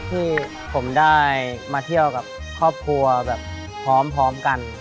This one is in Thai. ที่ผมได้มาเที่ยวกับครอบครัวแบบพร้อมกัน